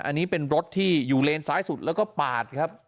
อันนี้เป็นรถที่อยู่เลนซ้ายสุดแล้วก็ปาดครับ